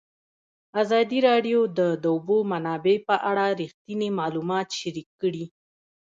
ازادي راډیو د د اوبو منابع په اړه رښتیني معلومات شریک کړي.